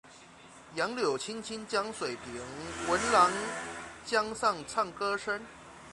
杨柳青青江水平，闻郎江上唱歌声。